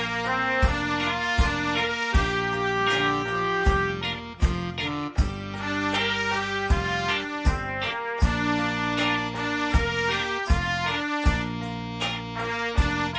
โน้ท